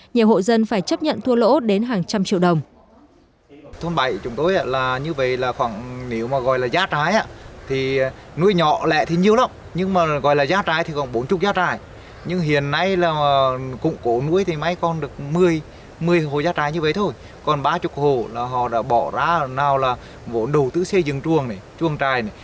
nhiều hộ dân phải chấp nhận thua lỗ đến hàng trăm triệu đồng